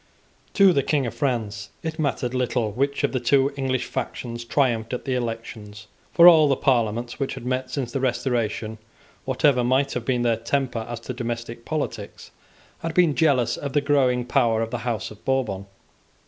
To the King of France it mattered little which of the two English factions triumphed at the elections: for all the Parliaments which had met since the Restoration, whatever might have been their temper as to domestic politics, had been jealous of the growing power of the House of Bourbon.